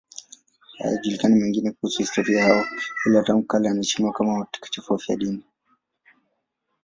Hayajulikani mengine kuhusu historia yao, ila tangu kale wanaheshimiwa kama watakatifu wafiadini.